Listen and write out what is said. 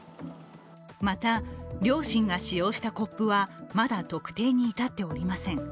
また両親が使用したコップはまだ特定に至っておりません。